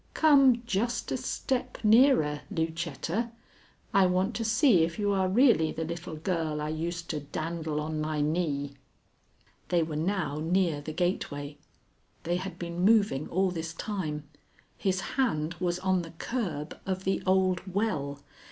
Come just a step nearer, Lucetta. I want to see if you are really the little girl I used to dandle on my knee." They were now near the gateway. They had been moving all this time. His hand was on the curb of the old well.